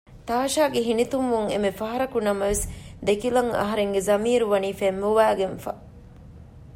ތާޝާގެ ހިނިތުންވުން އެންމެ ފަހަރަކު ނަމަވެސް ދެކިލަން އަހަރެގެ ޒަމީރު ވަނީ ފެންބޮވައިގެންފަ